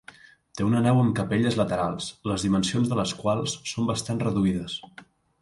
Té una nau amb capelles laterals, les dimensions de les quals són bastant reduïdes.